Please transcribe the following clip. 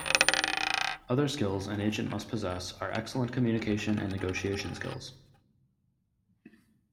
Other skills an agent must possess are excellent communication and negotiation skills.